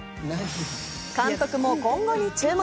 監督も今後に注目。